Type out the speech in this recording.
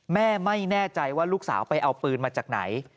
แม่ไม่แน่ใจว่าลูกสาวไปเอาปืนมาจากไหน